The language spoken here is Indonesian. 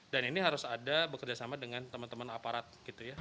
dan ini harus ada bekerjasama dengan teman teman aparat gitu ya